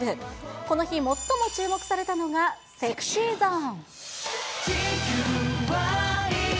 この日、最も注目されたのが、ＳｅｘｙＺｏｎｅ。